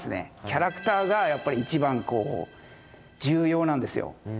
キャラクターがやっぱり一番こう重要なんですよ。